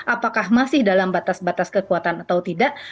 apakah masih dalam batas batas kekuatan atau tidak